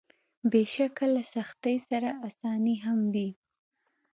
بېشکه له سختۍ سره اساني هم وي.